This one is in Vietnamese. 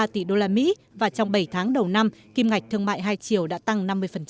hai ba tỷ đô la mỹ và trong bảy tháng đầu năm kiêm ngạch thương mại hai triệu đã tăng năm mươi